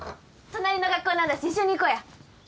隣の学校なんだし一緒に行こうや。